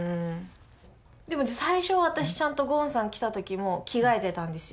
でも最初は私ちゃんとゴンさん来た時も着替えてたんですよ。